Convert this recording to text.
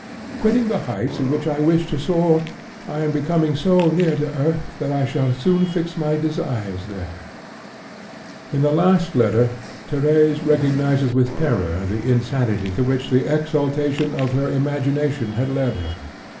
'Quitting the heights in which I wished to soar, I am coming so near to earth that I shall soon fix my desires there.' In a last letter Thérèse recognizes with terror the insanity to which the exaltation of her imagination had led her.